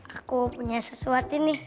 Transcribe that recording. aku punya sesuatu ini